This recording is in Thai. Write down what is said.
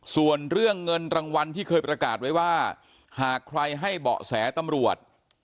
ส่วนเรื่องเงินรางวัลที่เคยประกาศไว้ว่าหากใครให้เบาะแสตำรวจ